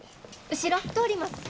後ろ通ります。